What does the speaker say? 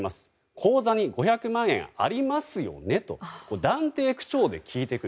口座に５００万円ありますよね？と断定口調で聞いてくる。